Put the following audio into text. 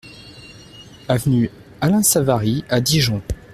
Avenue Alain Savary à Dijon